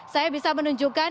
saya bisa menunjukkan